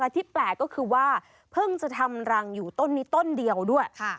ที่แปลกก็คือว่าเพิ่งจะทำรังอยู่ต้นนี้ต้นเดียวด้วย